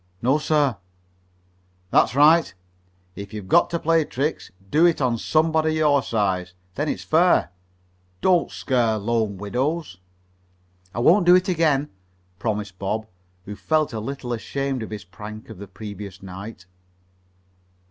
"No, sir." "That's right. If you've got to play tricks, do it on somebody your size. Then it's fair. Don't scare lone widows." "I won't do it again," promised Bob, who felt a little ashamed of his prank of the previous night.